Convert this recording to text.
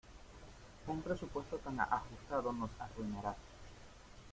Un presupuesto tan ajustado nos arruinará.